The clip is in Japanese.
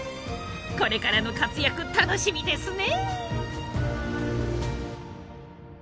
これからの活躍楽しみですね！